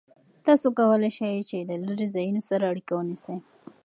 تاسو کولای شئ چې له لرې ځایونو سره اړیکه ونیسئ.